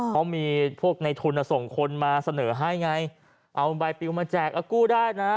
เขามีพวกในทุนส่งคนมาเสนอให้ไงเอาใบปิวมาแจกกู้ได้นะ